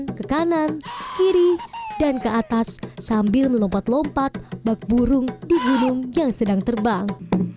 yang ke kanan kiri dan ke atas sambil melompat lompat bak burung di gunung yang sedang terbang